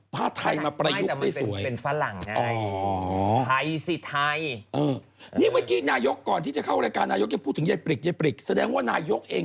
พี่ต้อยนาการ่าเป็นคนที่เอาภาคไทยมาประยุกต์ได้สวย